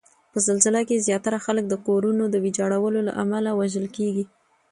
په زلزله کې زیاتره خلک د کورونو د ویجاړولو له امله وژل کیږي